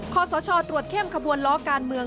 ขอสชตรวจเข้มขบวนล้อการเมือง